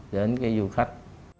trong kế hoạch hai nghìn một mươi chín